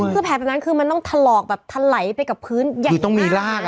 คือแผลบันนั้นมันต้องถลอกก็ถลายไปกับพื้นอย่างหน้า